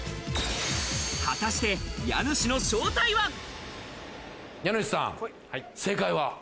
果たして家主の正体家主さん、正解は？